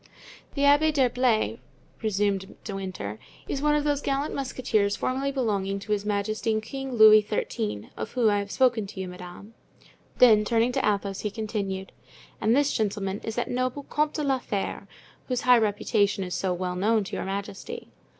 "The Abbé d'Herblay," resumed De Winter, "is one of those gallant musketeers formerly belonging to His Majesty King Louis XIII., of whom I have spoken to you, madame." Then turning to Athos, he continued, "And this gentleman is that noble Comte de la Fere, whose high reputation is so well known to your majesty."